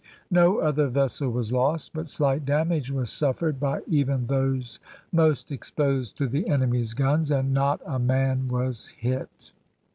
No other vessel was lost, but slight damage was suffered by even those most exposed to the enemy's guns, and not a man was hit.